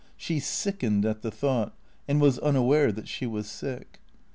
She sickened at the thought, and was unaware that she was sick.